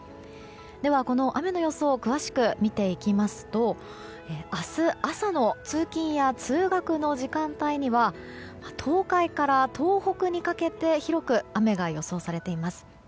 では雨の予想を詳しく見ていきますと明日朝の通勤や通学の時間帯には東海から東北にかけて広く雨が予想されています。